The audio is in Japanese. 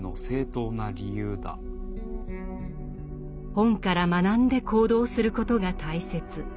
本から学んで行動することが大切。